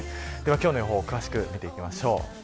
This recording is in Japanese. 今日の予報詳しく見ていきましょう。